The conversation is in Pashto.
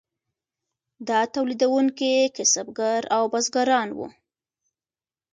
دا تولیدونکي کسبګر او بزګران وو.